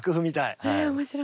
え面白い。